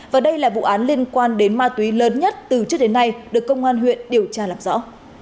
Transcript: và đây là vụ án liên quan đến ma túy lớn nhất từ trước đến nay được công an huyện điều tra làm rõ